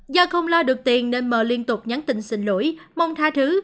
do không lo được tiền nên m liên tục nhắn tin xin lỗi mong tha thứ